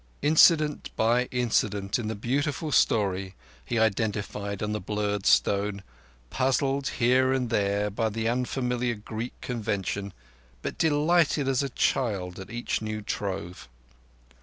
Incident by incident in the beautiful story he identified on the blurred stone, puzzled here and there by the unfamiliar Greek convention, but delighted as a child at each new trove.